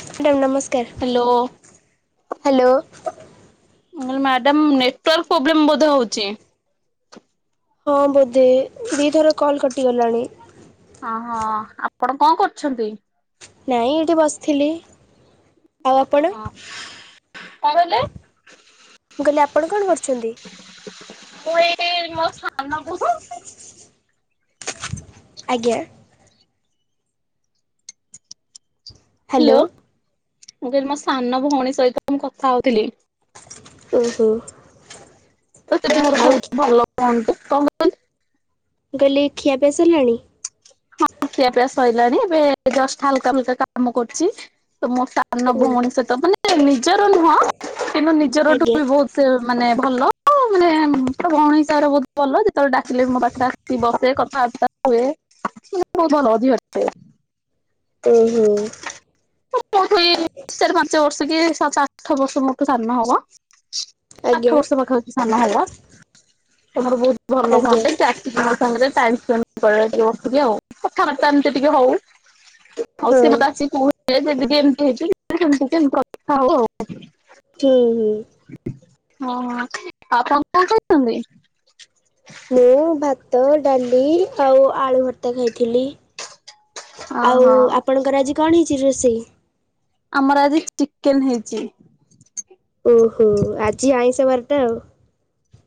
Madam ନମସ hello. ମୁଁ କଇଲି ମ୍ୟାଡାମ ନେଟୱାର୍କ ପ୍ରୋବ୍ଲେମ୍ ବୋଧେ ହଉଛି। ହଁ ବୋଧେ ଦିଥର କଲ୍ କଟିଗଲାଣି। ଓହଁ ଆପଣ କଅଁ କରୁଛନ୍ତି? ନାଇଁ ଏଇଠି ବସିଥିଲି ଆଉ ଆପଣ? ତା ବୋଲେ? ମୁଁ କହିଲି ଆପଣ କଣ କରୁଛନ୍ତି? ସେ ମୋ ସାନ ବହୁ ଆଜ୍ଞା। ହ୍ୟାଲୋ ମୁଁ କହିଲି ମୋ ସାନ ଭଉଣୀ ସହିତ ମୁଁ କଥା ହଉଥିଲି। ଓହୋ ତ ସେଟା ମୋର ଆଉ ବହୁତ ମୁଁ ଭଲ ଭଉଣି ଟେ କଣ କହନି? ମୁଁ କଇଲି ଖିଆ ପିଆ ସାରିଲାଣି? ହଁ ଖିଆ ପିଆ ସଇଲାଣି ଏବେ ଜଷ୍ଟ ହାଲକା ଫାଲକା କାମ କରୁଛି ତ ମୋ ଶା ଓ ନବ ମଣିଷ ତ ମାନେ ନିଜର ନୁହଁ କିନ୍ତୁ ନିଜରଠୁ ଆଜ୍ଞା ବି ବହୁତ। ସେ ମାନେ ଭଲ? ମାନେ ତୋ ଭଉଣି ହିସାବରେ ବହୁତ ଭଲ ଯେତେବେଳେ ଡାକିଲେ ମୋ ପାଖରେ ଆସିକି ବସେ କଥାବାର୍ତ୍ତା ହୁଏ। ସେ ବହୁତ ଭଲ ଝିଅଟେ। ଓହୋ ମୋ ଅଠୁ ଏଇ ଚାରି ପାଞ୍ଚ ବର୍ଷ କି ସାତ ଆଠ ବର୍ଷ ମୋରଠୁ ସାନ ହବ। ଆଠ ଆଜ୍ଞା। ବର୍ଷ ପାଖା ପାଖି ହଉଛି ସାନ ହବ ତମର ବହୁତ ଆଜ୍ଞା ଭରଲୋକଅଟେ ଚାକି ମୋ ସାଙ୍ଗରେ ଟାଇମ୍ ସ୍ପ୍ରେ ଟିକେ ବସିକି ଆଉ କଥା ବାର୍ତ୍ତୀଟିକେ ହଉ। ଆଉ ହଁ ସେ ବାସ କହୁ ସେମତିମତି ହେଇଛି ସେମତି ହେଇଛି କଥା ହଉ ଆଉ ହୁଁ ହୁଁ। ହଁ ଆପଣ କଣ କରୁଛନ୍ତି? ମୁଁ ଭାତ ଡାଲି ଆଉ ଆଳୁ ଭର୍ତ୍ତା ଖାଇଥିଲି। ଆଉ ଓହୋ ଆପଣଙ୍କର ଆଜି କଣ ହେଇଛି ରୋଷେଇ? ଆମର ଆଜି ଚିକେନ ହେଇଛି। ଓହୋ ଆଜି ଆଇଁସ ବାରଟା ଆଉ।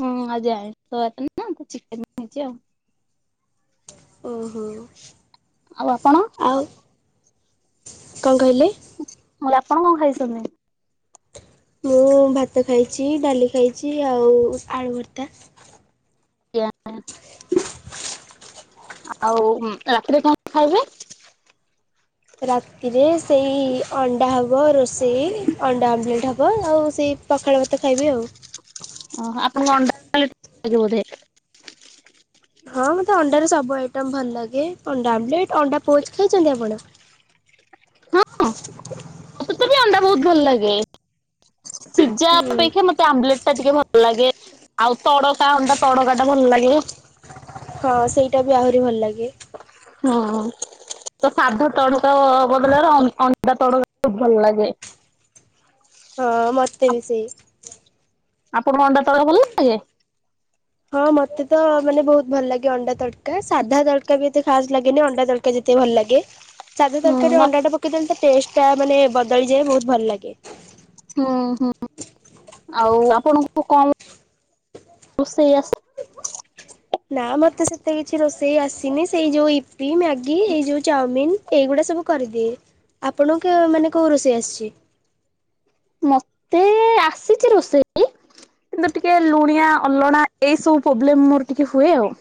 ହଁ ଆଜି ଆଇଁଷ ବାରିନା ତ ଚିକେନ ହେଇଛି ଆଉ। ଓହୋ। ଆଉ ଆପଣ? ଆଉ କଣ କହିଲେ? ମୁଁ କହିଲି ଆପଣ କଣ ଖାଇଛନ୍ତି? ମୁଁ ଭାତ ଖାଇଛି ଡାଲି ଖାଇଛି ଆଉ ଆଳୁ ଭର୍ତ୍ତା। ଆଜ୍ଞା ଆଉ ରାତିରେ କଣ ଖାଇବେ? ରାତିରେ ସେଇ ଅଣ୍ଡା ହବ ରୋଷେଇ ଅଣ୍ଡା ଆମଲେଟ ହବ। ବ ଆଉ ସେଇ ପଖାଳ ଭାତ ଖାଇବି ଆଉ। ଓ ଆପଣଙ୍କୁ ଅଣ୍ଡା ଆମଲେଟ ଭଲ ଲାଗେ ବୋଧେ? ହଁ ମତେ ଅଣ୍ଡାର ସବୁ ଆଇଟମ ଭଲ ଲାଗେ ଅଣ୍ଡା ଆମ୍ଲେଟ। ଅଣ୍ଡା ପୋଜ ଖାଇଛନ୍ତି ଆପଣ? ହଁ ମତେ ବି ଅଣ୍ଡା ବହୁତ ଭଲ ଲାଗେ। ସିଝା ହୁଁ ଅପେକ୍ଷା ମତେ ଆମ୍ବଲେଟ ଟା ଟିକେ ଭଲ ଲାଗେ। ଆଉ ତଡକା ଅଣ୍ଡା ତଡକା ଟା ଭଲ ଲାଗିବ। ହଁ ସେଇଟା ବି ଆହୁରି ଭଲ ଲାଗେ। ହଁ। ତ ସାଧା ତଡକା ବଦଳରେ ଅଣ୍ଡ ଅଣ୍ଡା ତଡକା ବହୁତ ଭଲ ଲାଗେ। ହଁ ମତେ ବି ସେଇ। ଆପଣଙ୍କୁ ଅଣ୍ଡା ତଡକା ଭଲ ଲାଗେ? ହଁ ମତେ ତ ଭଲ ଲାଗେ ଅଣ୍ଡା ତଡକା ସାଧା ତଡକା ବି ଏତେ ଖାସ୍ ଲାଗେନି ଅଣ୍ଡା ତ ଡକା ଯେତେ ଭଲ ଲାଗେ। ସାଧା ହୁଁ ତରକାରୀ ମ ଅଣ୍ଡାଟା ପକ କେଇଦେଲେ ତା ଟେଷ୍ଟଟା ମାନେ ବଦଳିଯାଏ ବହୁତ ଭଲ ଲାଗେ। ହୁଁ ହୁଁ ଆଉ ଆପଣଙ୍କୁ କଣ ରୋଷେଇ ଆସେ? ନା ମତେ ସେତେ କିଛି ରୋଷେଇ ଆସିନି ସେଇ ଯୋଉ ଇପି ମ୍ୟାଗି ଏଇ ଯୋଉ ଚାଉମିନ ଏଇଗୁଡ଼ା ସବୁ କରିଦିଏ। ଆପଣଙ୍କୁ ମାନେ କେଉଁ ରୋଷେଇ ଆସିଛି? ମତେ ଆସିଛି ରୋଷେଇ କିନ୍ତୁ ଟିକେ ଲୁଣିଆ ଅଲଣା ଏଇ ସବୁ ପ୍ରୋବ୍ଲେମ ମୋର ଟିକେ ହୁଏ ଆଉ।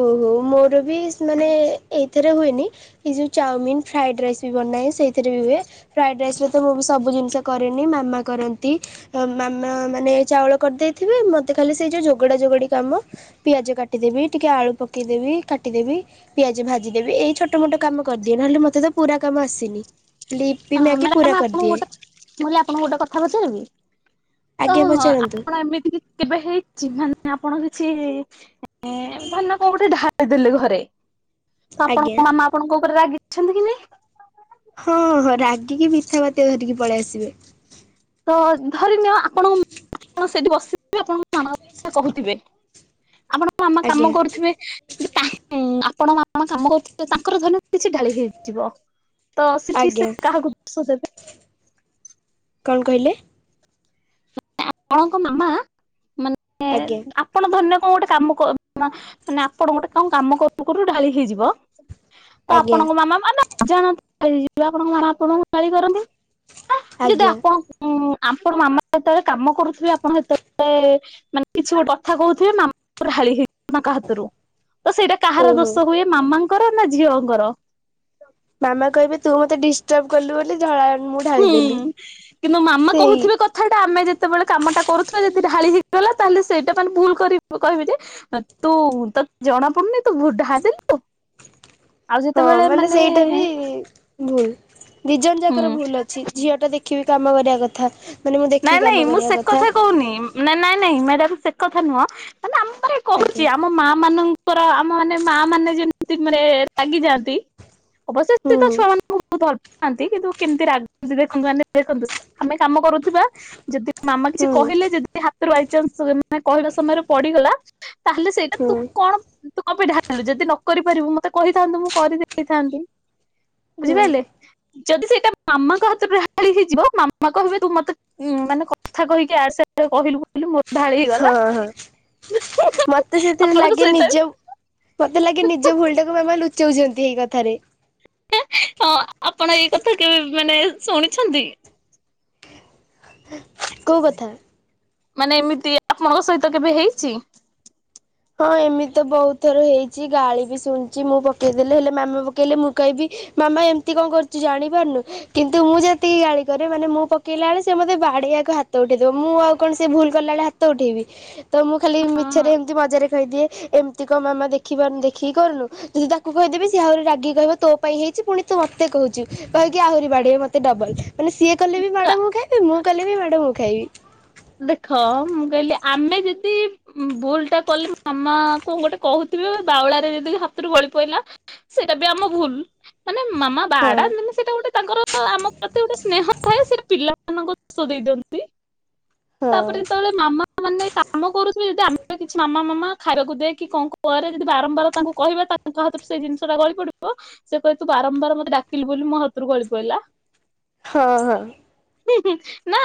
ଓହୋ ମୋର ବି ସ୍ ମାନେ ଏଇଥିରେ ହୁଏନି ଏ ଯେଉଁ ଚାଉମିନ ଫ୍ରାଏଡ଼ ରାଇସ୍ ବି ବନାଏ ସେଇଥିରେ ବି ହୁଏ। ଫ୍ରାଏଡ ରାଇସରେ ତ ମୁଁ ବି ସବୁ ଜିନିଷ କରେନି ମାମା କରନ୍ତି। ମାମା ମାନେ ଚାଉଳ କରିଦେଇଥିବେ ମତେ ଖାଲି ସେଇ ଯୋଉ ଜୋଗଡା ଜୋଗଡି କାମ ପିଆଜ କାଟିଦେବି ଟିକେ ଆଳୁ ପକେଇଦେବି କାଟିଦେବି ପିଆଜ ଭାଜିଦେବି ଏଇ ଛୋଟ ଛୋଟ ମୋଟ କାମ କରିଦିଏ ନହେଲେ ମତେ ତ ପୁରା କାମ ଆସିନି ୟୀପି ହଁ ମ୍ୟାଗି ମ୍ୟାଡାମ ପୁରା ଆପଣଙ୍କୁ କରିଦିଏ। ଗୋଟେ ମୁଁ କହିଲି ଆପଣଙ୍କୁ ଗୋଟେ କଥା ପଚାରିବି? ତ ଆଜ୍ଞା ହଁ ହଁ ପଚାରନ୍ତୁ ଆପଣ ଏମିତି କେବେ ହେଇଛି ମାନେ ଆପଣ କିଛି ଧରିନିଅ କୋଉ ଗୋଟେ ଢା କହିଦେଲି ଘରେ ତ ଆଜ୍ଞା ଆପଣଙ୍କ ମାମା ଆପଣଙ୍କ ଉପରେ ରାଗିଛନ୍ତି କି ନାଇ? ହଁ ହଁ ରାଗିକି ପିଥା ପାତିଆ ଧରିକି ପଳେଇ ଆସିବେ। ତ ଧରିନଅ ଆପଣଙ୍କ [inaudible] ସେଇଠି ବସିଥିବେ ଆପଣଙ୍କ [inaudible] ମା କହୁଥିବେ ଆପଣଙ୍କ ମାମା ଆଜ୍ଞା କାମ କରୁଥିବେ [inaudible] ଆପଣଙ୍କ ମାମା କାମ କରୁଥିବେ ତାଙ୍କର ଧରିନିଅ କିଛି ଢାଳି ହେଇଯିବ। ତ ସେଠି ଆଜ୍ଞା ସେ କାହାକୁ ଦୋଷ ଦେବେ? କଣ କହିଲେ? ଆପଣଙ୍କ ମାମା ମାନେ ଆଜ୍ଞା ଆପଣ ଧରିନିଅ କଣ ଗୋଟେ କାମ ମାନେ ଆପଣ ଗୋଟେ କଣ କାମ କରୁ କରୁ ଢାଳି ହେଇଯିବ ତ ଆଜ୍ଞା ଆପଣଙ୍କ ମାମା ମାନେ [unintelligible] ଆପଣଙ୍କ ମାମା ଆପଣଙ୍କୁ ଗାଳି କରନ୍ତି। ଯଦି ଆଜ୍ଞା ଆପଣ ହୁଁ ଆପଣ ମାମା ଯେତେବେଳେ କାମ କରୁଥିବେ ଆପଣ ସେତେବେଳେ ମାନେ କିଛି ଗୋଟେ କଥା କହୁଥିବେ ମାମା ଢାଳି ହେଇଯିବ ତାଙ୍କ ହାତରୁ ତ ସେଇଟା କାହାର ଓହୋ ଦୋଷ ହୁଏ। ମାମାଙ୍କର ନା ଝିଅଙ୍କର। ମାମା କହିବେ ତୁ ମତେ ଡିଷ୍ଟପ କଲୁ ବୋଲି ଝଳ ମୁଁ ହୁଁ ଢାଳିଦେଲି କିନ୍ତୁ ମାମା ସେଇ। କହୁଥିବେ କଥାଟା ଆମେ ଯେତେବେଳେ କାମଟା କରୁଥିବା ଯଦି ଢାଳି ହେଇଗଲା ତାହେଲେ ସେଇଟା ମାନେ ଭୁଲ କରିବି କହିବେ ଯେ ତୁ ତତେ ଜଣା ପଡୁନି ତୁ ଢାହା ଦେଲ ତୁ ହଁ ମାନେ ସେଇଟା ବି ଭୁଲ ଦି ଜଣ ହୁଁ ଯାକର ଭୁଲ ଅଛି ଝିଅ ଟା ଦେଖିବି କାମ କରିବା କଥା। ମାନେ ମୁଁ ଦେଖିକି ନାଇଁ କାମ ନାଇଁ ମୁଁ କରିବା ସେ କଥା କହୁନି। ନାଇ ନାଇଁ ନାଇଁ ମ୍ୟାଡାମ ସେ କଥା ନୁହଁ ମାନେ ଆମର ଆଜ୍ଞା କହୁଛି ଆମ ମା ମାନେ ଙ୍କର ଆମ ମାନେ ମା ମାନେ ଯେମିତି ମାନେ ରାଗିଯାଆନ୍ତି। ଅବୟ ହୁଁ ଏତେ ତ ଛୁଆମାନଙ୍କୁ ବୋହୁତ ଭଲ ପାନ୍ତି। କିନ୍ତୁ କେମିତି ରାଗ ଦେଖନ୍ତୁ ମାନେ ଦେଖନ୍ତୁ ଆମେ କାମ କରୁଥିବା ଯଦି ମାମା କିଛି ହୁଁ କହିଲେ ଯଦି ହାତରେ ବାଇଚନ୍ସ ମାନେ କହିଲା ସମୟରେ ପଡିଗଲା ତାହେଲେ ସେ ହୁଁ। କଣ ତୁ କପି ଢାଲିଲୁ ଯଦି ନ କରିପାରିବୁ ମତେ କହିଥାନ୍ତୁ ମୁଁ କରିଦେଇଥାନ୍ତି। ହୁଁ ବୁଝିପାରିଲେ ଯଦି ସେଇଟା ମାମାଙ୍କ ହାତରୁ ଢାଳି ହେଇଯିବ ମାମା କହିବେ ତୁ ମତେ ଉଁ ମାନେ କଥା କହିକି ଇଆଡେ ସିଆଡେ କହିଲୁ ବୋଲି ମୋର ଢାଳି ହେଇଗଲା। ହଁ ହଁ ମତେ ସେଥିରେ ଆପଣଙ୍କ ଲାଗେ ସହିତ ନିଜ ମତେ ଲାଗେ ନିଜ ଭୁଲଟା ମାମା ଲୁଚଉଛନ୍ତି ହେଇ କଥାରେ। ହଁ ଆପଣ ଏଇ କଥା କେବେ ମାନେ ଶୁଣିଛନ୍ତି। କୋଉ କଥା? ମାନେ ଏମିତି ଆପଣଙ୍କ ସହିତ କେବେ ହେଇଛି? ହଁ ଏମିତି ତ ବହୁତ ଥର ହେଇଛି ଗାଳି ବି ଶୁଣିୁଛି ମୁଁ ପକେଇଦେଲେ ହେଲେ ମାମା ପକେଇଲେ ମୁଁ କଇବି ମାମା ଏମିତି କଣ କରୁଛୁ ଜାଣି ପାରୁନୁ। କିନ୍ତୁ ମୁଁ ଯେତିକି ଗାଳି କରେ ମାନେ ମୁଁ ପକେଇଲା ବେଳେ ସେ ମୋତେ ବାଡିଆକୁ ହାତ ଉଠେଇଦବ। ମୁଁ ଆଉ କଣ ସେ ଭୁଲ କଲାଳ ହାତ ହାତ ଉଠେଇବି ତ ମୁଁ ଖାଲି ମିଛରେ ଏମିତି ମଜାରେ କହିଦିଏ ଏମିତି କଣ ମାମା ଦେଖିପାରୁନୁ ଦେଖିକି କରୁନୁ ମୁଁ ତାକୁ କହିଦେବି ସିଏ ଆହୁରି ରାଗିକି କହିବ ତୋ ପାଇଁ ହେଇଛି ପୁଣି ତୁ ମତେ ମତେ କହୁଛୁ କହିକି ଆହୁରି ବାଡିବ ମୋତେ ଡବଲ ମାନେ ସିଏ କଲେ ବି କା ମାଡ ମୁଁ ଖାଇବି। ମୁଁ କଲେ ବିି ମାଡ଼ ମୁଁ ଖାଇବି। ଦେଖ ମୁଁ କହିଲି ଆମେ ଯଦି ଭୁଲ ଟା କଲି ମାମା କଣ ଗୋଟେ କହୁଥିବେ ବାଉଳାରେ ଯଦି ହାତରୁ ଗଳି ପଡିଲା ସେଇଟା ବି ଆମ ଭୁଲ। ମାନେ ମାମା ହଁ ବାଡାନ୍ତିନି ସେଇଟା ଗୋଟେ ତାଙ୍କର ଆମ ପ୍ରତି ଗୋଟେ ସ୍ନେହ ଥାଏ ସେ ପିଲା ମାନଙ୍କ ଦୋଷ ଦେଇ ଦିଅନ୍ତି। ହଁ ତାପରେ ଯେତେବେଳେ ମାମା ମାନେ କାମ କରୁଛନ୍ତି ଯଦି ଆମେ କିଛି ମାମା ମାମା ଖାଇବାକୁ ଦେ କି କଣ କରେ ଯଦି ବାରମ୍ବାର ତାଙ୍କୁ କହିବା ତାଙ୍କ ହାତରୁ ସେଇ ଜିନିଷ ଟା ଗଳି ପଡିବ ସେ କହିବେ ତୁ ବାରମ୍ବାର ମତେ ଡାକିଲୁ ବୋଲି ମୋ ହାତରୁ ଗଳି ପଡିଲା। ହଁ ହଁ। ହୁଁ- ହୁଁ- ନା।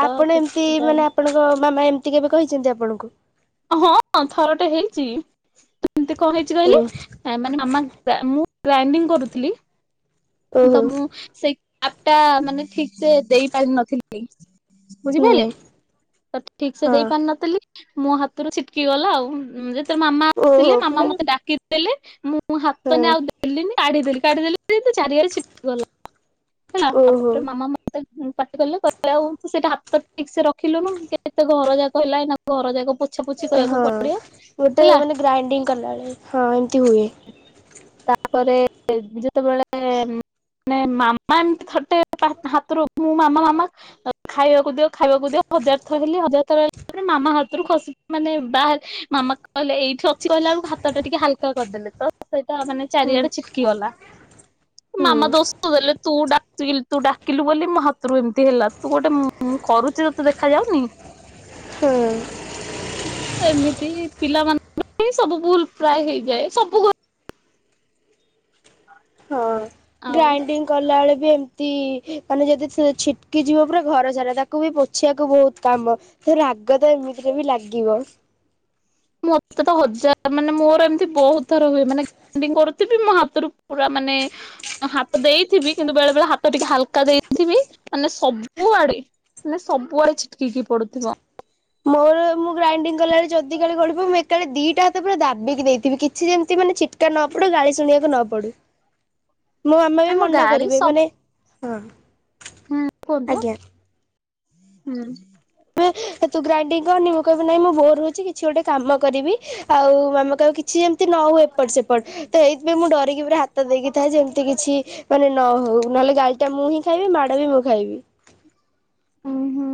ତ ଆପଣ ଏମିତି ସେଥିପାଇଁ ମାନେ ଆପଣଙ୍କ ମାମା ଏମିତି କେବେ କହିଚନ୍ତି ଆପଣଙ୍କୁ? ହଁ ଥରଟେ ହେଇଚି ଏମିତି କଣ ହେଇଚି ଓ କହିଲେ ମାନେ ମାମା ମୁଁ ଗ୍ରାଇଣ୍ଡିଂ କରୁଥିଲି ତ ଓହୋ ମୁଁ ସେଇ କପ୍ ଟା ମାନେ ଠିକ୍ ସେ ଦେଇ ପାରିନଥିଲି ହୁଁ ବୁଝିପାରିଲେ ତ ଠିକ୍ ସେ ହଁ ଦେଇ ପାରିନଥିଲି। ମୋ ହାତରୁ ଛିଟ୍କି ଗଲା ଆଉ ଯେତେ ମାମା ଓହୋ ଆସିଲେ ମାମା ମାନେ ମତେ ଡାକିଦେଲେ ମୁ ମୁଁ ହାତଟା ହଁ ଆଉ ଦେଲିିନି କାଢିଦେଲି -କାଢିଦେଲି ଯେନ୍ତି [inaudible] ପାଟି ଓହୋ କଲେ କହିଲେ ଆଉ ତୁ ସେଇଟା ହାତ ଠିକ୍ ସେ ରଖିଲୁନୁ କେତେ ଘର ଯାକ ହେଲା ଏଇନା ଘର ଯାକ ପୋଛା ପୋଛି କରିବାକୁ ହଁ। ପଡିବ ଗୋଟେ ହେଲା। ମାନେ ଗ୍ରାଇଣ୍ଡିଙ୍ଗ କଲାବେଳେ ହଁ ଏମିତି ହୁଏ। ତାପରେ ଯେତେବଳେ ନାଇଁ ମାମା ଏମତି ଥରଟେ ତା ହାତରୁ ମୁଁ ମାମା ମାମା ଖାଇବାକୁ ଦିଅ ଖାଇବାକୁ ଦିଅ ହଜାର୍ ଥର ହେଲି ହଜାର୍ ଥର ତାପରେ ମାମା ହାତରୁ ଖସି ମାନେ ବା ମାମା କହିଲେ ଏଇଠି ଅଛି କହିଲାଳକୁ ହାତ ଟା ଟିକେ ହାଲ୍କା କରିଦେଲେ। ତ ସେଇଟା ମାନେ ହୁଁ ଚାରିଆଡେ ଛିଟକି ଗଲା। ହୁଁ। ମାମା ଦୋଷ ଦେଲେ ତୁ ଡାକିଲୁ ତୁ ଡାକିଲୁ ବୋଲି ମୋ ହାତରୁ ଏମିତି ହେଲା ତୁ ଗୋଟେ ମୁଁ କରୁଚି ତତେ ଦେଖା ଯାଉନି। ହୁଁ। ଏମିତି ପିଲାମାନଙ୍କ ପାଇଁ ସବୁ ଭୁଲ୍ ପ୍ରାୟେ ହେଇଯାଏ ସବୁ ଘ ହଁ ଆଉ ଗ୍ରାଇଣ୍ଡିଙ୍ଗ୍ ଗଲା ବେଳେ ବି ଏମିତି ମାନେ ଯଦି ଛିଟକି ଯିବ ପୁରା ଘର ସାରା ତାକୁ ବି ପୋଛିବାକୁ ବହୁତ୍ କାମ। [unintelligible] ରାଗ ତ ଏମିତିରେ ବି ଲାଗିବ। ମତେ ତ ହଜାର୍ ମାନେ ମୋର ଏମିତି ବହୁତ୍ ଥର ହୁଏ ମାନେ ଗ୍ରାଇଣ୍ଡିଙ୍ଗ୍ କରୁଥିବି ମୋ ହାତରୁ ପୁରା ମାନେ ହାତ ଦେଇଥିବି କିନ୍ତୁ ବେଳେ ବେଳେ ହାତ ଟିକେ ହାଲ୍କା ଦେଇଥିବି ମାନେ ସବୁଆଡେ ମାନେ ସବୁଆଡେ ଛିଟକି କି ପଡୁଥିବ। ମୋର ମୁଁ ଗ୍ରାଇଣ୍ଡିଙ୍ଗ୍ କଲା ବଳେ ଯଦି କାଳେ ପଡିବ ମୁଁ ଏକାଳେ ଦିଟା ହାତ ପୁରା ଦାବିକି ଦେଇଥିବି କିଛି ଯେମିତି ମାନେ ଛି ଟିକା ନ ପଡୁ ଗାଳି ଶୁଣିବାକୁ ନ ପଡୁ। ମୋ ମାମା ବି ଆମ ମନା ଗାଳି କରିବେ ସବୁ ମାନେ- ହଁ। ହୁଁ କୁହନ୍ତୁ ହୁଁ। ତୁ ଗ୍ରାଇଣ୍ଡିଂ କରନି ମୁଁ କହିବି ନାହିଁ ମୁଁ ବୋର୍ ହଉଚି କିଛି ଗୋଟେ କାମ କରିବି। ଆଉ ମାମା କହିବ କିଛି ଯେମିତି ନ ହୁଏ ଏପଟ୍ ସେପଟ୍ ତ ଏଇଥିପାଇଁ ମୁଁ ଡରିକି ପୁରା ହା [unintelligible] ଥାଏ ଯେମିତି କିଛି ମାନେ ନ ହଉ ନହେଲେ ଗାଳିଟା ମୁଁ ହିଁ ଖାଇବି ମାଡ ବି ମୁଁ ଖାଇବି। ହୁଁ -ହୁଁ।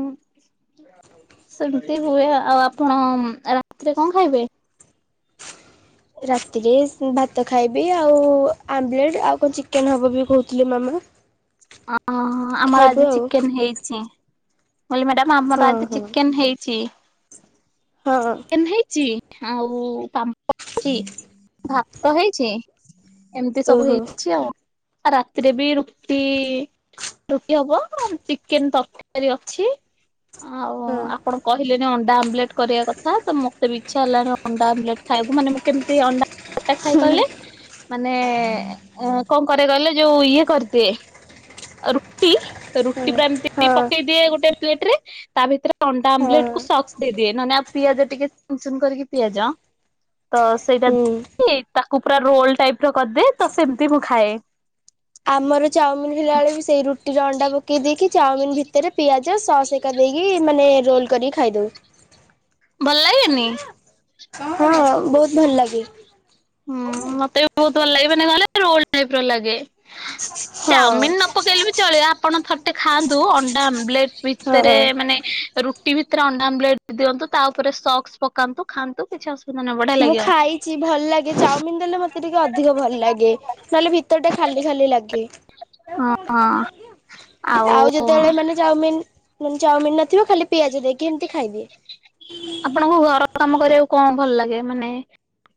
ସେମିତି ହୁଏ ଆଉ ଆପଣ ରାତିରେ କଣ ଖାଇବେ? ରାତିରେ ସେଇ ଭା ଭାତ ଖାଇବି ଆଉ ଆମ୍ବଲେଟ୍ ଆଉ କଣ ଚିକେନ୍ ହବ ବୋଲି କହୁଥିଲେ ମାମା। ଆ-ହଁ ଆମର ଖାଇବୁ ଆଜି ଆଉ ଚିକେନ୍ ହେଇଚି। ମୁଁ କହିଲି ମ୍ୟାଡାମ୍ ହଁ ଆମର ଆଜି ଚିକେନ୍ ହେଇଚି। ହଁ-ହଁ। ଚିକେନ୍ ହେଇଚି ଆଉ ପାମ୍ପଡ ହେଇଚି ଭାତ ହେଇଚି ଏମିତି ସବୁ ଓହୋ ହେଇଚି ଆଉ ରାତିରେ ବି ରୁଟି ରୁଟି ହବ ଚିକେନ ତରକାରୀ ଅଛି ଆଉ ହଁ ଆପଣ କହିଲେଣି ଅଣ୍ଡା ଆମ୍ବେଲେଟ କରିବା କଥା ତ ମତେ ବି ଇଚ୍ଛା ହେଲାଣି ଅଣ୍ଡା ଆମ୍ଳେଟ ଖାଇବାକୁ ମାନେ ମୁଁ କେମିତି ଅଣ୍ଡା ଆମ୍ଲେଟ ଖାଏ କହିଲେ? ମାନେ କଣ କରେ କହିଲେ ଯୋଉ ଇଏ କରିଦିଏ ରୁଟି ରୁଟି ହଁ ପୁରା ଏମିତି ହଁ ପକେଇ ଦିଏ ଗୋଟେ ପ୍ଲେଟ ରେ ତା ଭିତରେ ଅଣ୍ଡା ହଁ ଆମ୍ଲେଟ କୁ ସକ୍ସ ଦେଇଦିଏ ନହଲେ ଆଉ ପିଆଜ ଟିକେ ଚୁନଚୁନ କରିକି ପିଆଜ ତ ସେଇଟା ହୁଁ ତାକୁ ପୁରା ରୋଲ ଟାଇପ ର କରିଦିଏ ତ ସେମିତି ମୁଁ ଖାଏ। ଆମର ଚାଉମିନ ହେଲା ବେଳେ ବି ସେଇ ରୁଟି ର ଅଣ୍ଡା ପକେଇ ଦେଇକି ଚାଉମିିନ ଭିତରେ ପିଆଜ ସସ୍ ହେରିକା ଦେଇକି ମାନେ ରୋଲ କରିକି ଖାଇଦଉ। ଭଲ ଲାଗେନି? ହଁ ବହୁତ ଭଲ ଲାଗେ। ହୁଁ ମତେ ବି ବହୁତ ଭଲ ଲାଗେ ମାନେ ମାନେ ରୋଲ୍ ଟାଇପ୍ ର ଲାଗେ ଆ [inaudible] ଚାଉମିିନ ନ ପକେଇଲେ ବି ଚଳିବ ଆପଣ ଥରଟେ ଖାଆନ୍ତୁ ଅଣ୍ଡା ଆମ୍ଲେଟ ଭିତରେ ହଁ। ମାନେ ରୁଟି ଭିତରେ ଅଣ୍ଡା ଆମ୍ଲେଟ ଦିଅନ୍ତୁ ତା ଉପରେ ସକ୍ସ ପକାନ୍ତୁ ଖାନ୍ତୁ କିଛି ଅସୁବିଧା ବଢିଆ ମୁଁ ଲାଗିବ। ଖାଇଛି ଭଲ ଲାଗେ ଚାଉମିିନ ଦେଲେ ମତେ ଟିକେ ଅଧିକ ଭଲ ଲାଗେ ନହେଲେ ଭିତର ଟା ଖାଲି ଖାଲି ଲାଗେ। ହଁ ହଁ। ଆଉ ଯେତେବେଳେ ମାନେ ଚାଉମିିନ ମାନେ ଚାଉମିିନ ନଥିବ ଖାଲି ପିଆଜ ଦେଇକି ଏମିତି ଖାଇଦିଏ। ଆପଣଙ୍କୁ ଘର କାମ କରିବାକୁ କଣ ଭଲ ଲାଗେ ମାନେ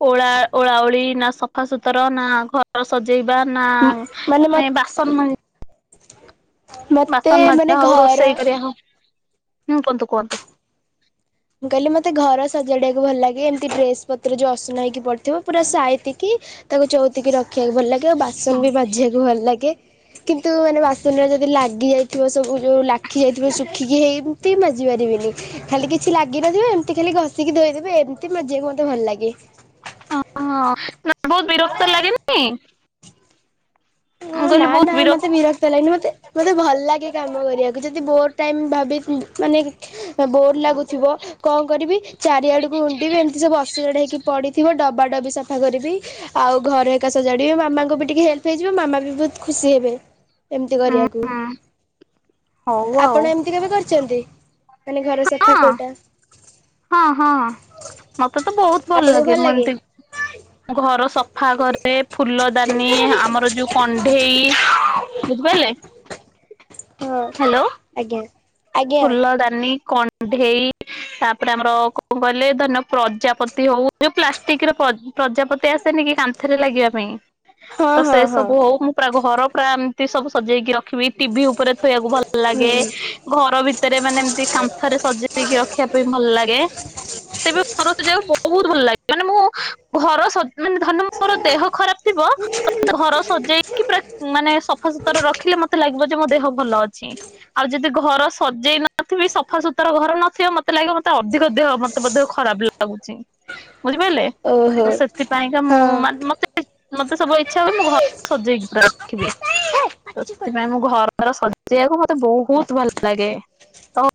ଓଳା ଓଳାଉଳି ନା ସଫାସୁତୁର ନା ଘର ଘର ସଜେଇବା ନା ମାନେ ବାସନ ମତେ ବାସନ ମାନେ ମାଜିବା ହଉ ଘର ରୋଷେଇ କରିବା ହଉ ହୁଁ କୁହନ୍ତୁ କୁହନ୍ତୁ? ମୁଁ କହିଲି ମତେ ଘର ସଜାଡ଼ିବାକୁ ଭଲ ଲାଗେ ଏମିତି ଡ୍ରେସ ପତ୍ର ଯୋଉ ଅସନା ହେଇକି ପଡିଥିବ ପୁରା ସାଇତିକି ତାକୁ ଚଉତିକି ରଖିବାକୁ ଭଲ ଲାଗେ ଆଉ ବାସନ ବି ମାଜିବାକୁ ଭଲ ଲାଗେ କିନ୍ତୁ ମାନେ ବାସ ବାସନରେ ଯଦି ଲାଗି ଯାଇଥିବ ସବୁ ଯୋଉ ଲାଖି ଯାଇଥିବ ଶୁଖିକି ହେଇମିତି ମାଜି ପାରିବିନି ଖାଲି କିଛି ଲାଗିନଥିବ ଏମିତି ଖାଲି ଘଷିକି ଧୋଇଦେବି ଏମିତି ମାଜିବାକୁ ମତେ ଭଲ ଲାଗେ। ହଁ ହଁ ବହୁତ ବିରକ୍ତ ଲାଗେନି? ହଁ ମୁଁ ନା କହିଲି ବହୁତ ନା ମତେ ବିରକ୍ତ ଲାଗେନି ମତେ ମତେ ଭଲ ଲାଗେ କାମ କରିବାକୁ ଯଦି ବୋର ଟାଇମ ଭ ବି ମାନେ ବୋର୍ ଲାଗୁଥିବ କଣ କରିବି ଚାରିଆଡୁକୁ ଉଣ୍ଡିବି ଏମତିବୁ ଅସଜଡା ହେଇକି ପଡିଥିବ ଡବା ଡବି ସବୁ ସଫା କରିବି ଆଉ ଘରେ ହେରିକା ସଜାଡିବି ମାମାଙ୍କୁ ବି ଟିକେ ହେଲ୍ପ ହେଇଯିବ ମାମା ବି ବହୁତ ଖୁସି ହେବେ। ଏମିତି ଉଁ କରିବାକୁ ହୁଁ ହଉ ଆଉ ଆପଣ ଏମିତି କେବେ କରିଛନ୍ତି? ମାନେ ଘର ସଫା ହଁ। କୋଉଟା ହଁ ହଁ ମତେ ତ ବହୁତ ଭଲ ଲାଗେ ମୁଁ ଏମତି ଘର ସଫା କରେ ଫୁଲ ଦାନି ଆମର ଯୋଉ କଣ୍ଢେଇ ବୁଝିପାରିଲେ ହଁ ଆଜ୍ଞା। ଆଜ୍ଞା ଫୁଲଦାନି କଣ୍ଢେଇ ତାପରେ ଆମର କଣ କହିଲେ ଧର ନିଅ ପ୍ରଜାପତି ହଉ ଯୋଉ ପ୍ଲାଷ୍ଟିକିର ପ୍ରଜାପତି ଆସେନି କି କାନ୍ ନ୍ଥେରେ ଲାଗିବା ପାଇଁ ହଁ ତ ସେ ହଁ ହଁ ସବୁ ହଉ ମୁଁ ପୁରା ଘର ପୁରା ଏମତି ସବୁ ସଜେଇକି ରଖ ଖିବି ଟିଭି ଉପରେ ଥୋଇଆକୁ ଭଲ ଲାଗେ ହୁଁ ଘର ଭିତରେ ମାନେ ଏମତି କାନ୍ଥରେ ସଜେଇକି ରଖିବା ପାଇଁ ଭଲ ଲାଗେ। ମତେ ବି ଘର ସଜେଇଆକୁ ବହୁତ ଭଲ ଲାଗେ ମାନେ ମୁଁ ଘର ସ, ମାନେ ଧରନିଅ ମୋର ଦେହ ଖରାପ ଥିବ ମତେ ଘର ସଜେଇକି ପୁରା ମାନେ ସଫାସୁତର ରଖିଲେ, ମତେ ଲାଗିବ ଯେ ମୋ ଦେହ ଭଲ ଅଛି। ଆଉ ଯଦି ଘର ସଜେଇ ନଥିବି, ସଫାସୁତର ଘର ନଥିବ, ମତେ ଲାଗିବ ମତ ତା ଅଧିକ ଦେହ ମତେ ବଧେ ଖରାପ ଲାଗୁଛି। ବୁଝିପାଇଲେ? ତ ଓହୋ ସେଥିପାଇଁକା ମୁଁ ମାନ ମତେ ମୋର ତ ସବୁବେଳେ ଇଛା ହୁଏ, ମୁଁ ଘରକୁ ସଜେଇକି ପୁରା ରଖିବି। ତ ହଁ। ସେଥିପାଇଁ ମୁଁ ଘର ଫର ସଜେଇବାକୁ ମତେ ବହୁତ ଭଲ ଲାଗେ, ତ